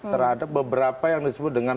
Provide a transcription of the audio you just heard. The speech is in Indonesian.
terhadap beberapa yang disebut dengan